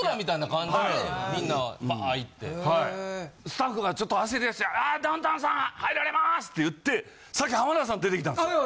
スタッフがちょっと焦りだして「あダウンタウンさん入られます」って言って先浜田さん出てきたんですよ。